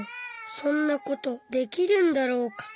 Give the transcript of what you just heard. そんな事できるんだろうか？